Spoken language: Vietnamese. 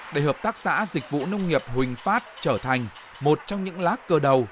để hợp tác xã dịch vụ nông nghiệp huỳnh phát trở thành một trong những lá cơ đầu